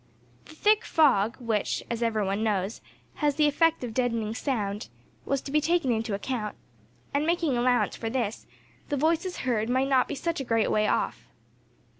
The thick fog, which, as every one knows, has the effect of deadening sound, was to be taken into account; and, making allowance for this, the voices heard might not be such a great way off.